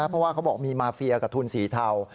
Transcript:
เพราะว่าเขาบอกมีมาเฟียกับทุนสีเทา